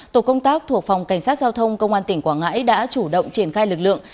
tổ công tác thuộc phòng cảnh sát giao thông công an tỉnh quảng ngãi đã chủ động triển khai lực lượng